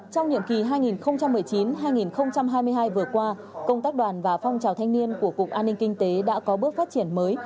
trong nhiệm kỳ hai nghìn một mươi chín hai nghìn hai mươi hai vừa qua công tác đoàn và phong trào thanh niên của cục an ninh kinh tế đã có bước phát triển mới